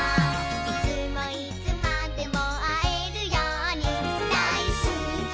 「いつもいつまでもあえるようにだいすきだからまたね」